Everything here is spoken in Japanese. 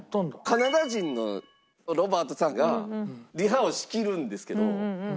カナダ人のロバートさんがリハを仕切るんですけど。